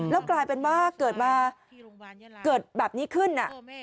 แล้วกลายเป็นว่าเกิดมาเกิดแบบนี้ขึ้น